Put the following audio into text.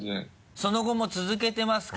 その後も続けてますか？